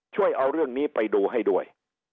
ช่วยเอาเรื่องนี้ไปดูให้ด้วย